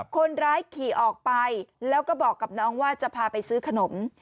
คนร้ายขี่ออกไปแล้วก็บอกกับน้องว่าจะพาไปซื้อขนม